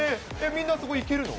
みんなそこ行けるの？